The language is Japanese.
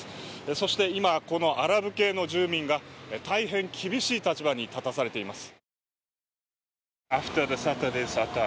そして今、アラブ系の住民が大変厳しい立場に立たされています。